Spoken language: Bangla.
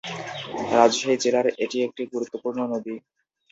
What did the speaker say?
রাজশাহী জেলার এটি একটি গুরুত্বপূর্ণ নদী।